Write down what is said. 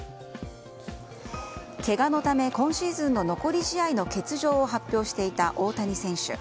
けがのため今シーズンの残り試合の欠場を発表していた、大谷選手。